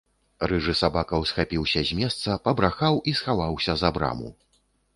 Рыжы сабака ўсхапіўся з месца, пабрахаў і схаваўся за браму.